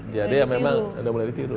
jadi memang sudah mulai ditiru